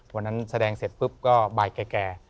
วันนั้นแสดงเสร็จปุ๊บก็บ่ายแกร